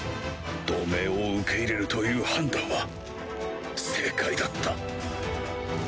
同盟を受け入れるという判断は正解だった